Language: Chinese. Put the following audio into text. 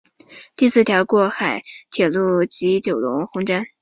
第四条过海铁路隧道将连接香港岛的中环至湾仔填海区及九龙红磡。